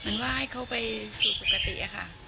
เหมือนว่าให้เขาไปสู่สุขติอะค่ะ